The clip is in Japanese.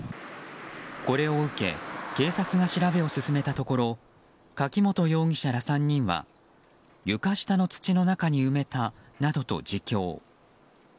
これを受け警察が調べを進めたところ柿本容疑者ら３人は床下の土の中に埋めたなどと自供。